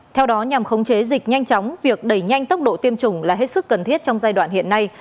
theo đó nhằm khống chế dịch nhanh chóng việc đẩy nhanh tốc độ tiêm chủng là hết sức cần thiết trong giai đoạn hiện nay